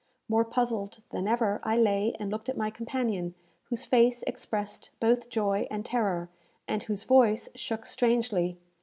More puzzled than ever, I lay and looked at my companion, whose face expressed both joy and terror, and whose voice shook strangely.